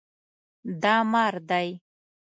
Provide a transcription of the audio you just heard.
دا مار دی